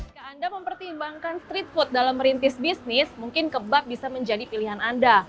jika anda mempertimbangkan street food dalam merintis bisnis mungkin kebab bisa menjadi pilihan anda